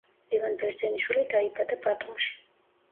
ლევან ბერძენიშვილი დაიბადა ბათუმში.